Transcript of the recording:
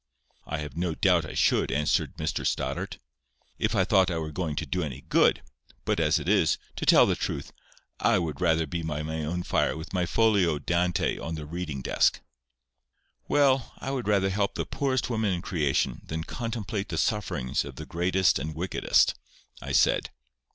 "I have no doubt I should," answered Mr Stoddart, "if I thought I were going to do any good; but as it is, to tell the truth, I would rather be by my own fire with my folio Dante on the reading desk." "Well, I would rather help the poorest woman in creation, than contemplate the sufferings of the greatest and wickedest," I said.